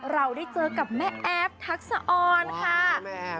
เราได้เจอกับแม่แอฟทักษะออนค่ะ